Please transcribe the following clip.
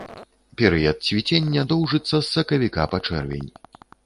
Перыяд цвіцення доўжыцца з сакавіка па чэрвень.